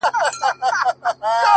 • هی توبه چي در ته غل د لاري مل سي,